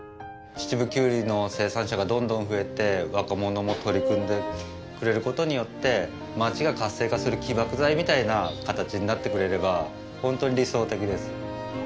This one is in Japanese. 秩父きゅうりの生産者がどんどん増えて若者も取り組んでくれる事によって町が活性化する起爆剤みたいな形になってくれれば本当に理想的です。